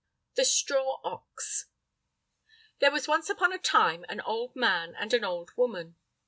The Straw Ox There was once upon a time an old man and an old woman.